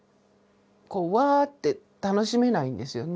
こうワッて楽しめないんですよね。